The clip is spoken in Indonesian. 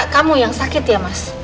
kamu yang sakit ya mas